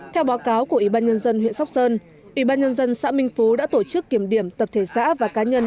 theo báo cáo của ủy ban nhân dân huyện sóc sơn ủy ban nhân dân xã minh phú đã tổ chức kiểm điểm tập thể xã và cá nhân